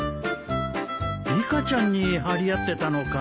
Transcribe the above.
リカちゃんに張り合ってたのか。